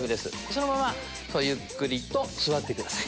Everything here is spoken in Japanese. そのままそうゆっくりと座ってください。